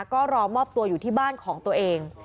ก็รอมอบตัวอยู่ที่บ้านของตัวเอง